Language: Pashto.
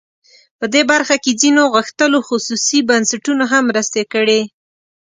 په دې برخه کې ځینو غښتلو خصوصي بنسټونو هم مرستې کړي.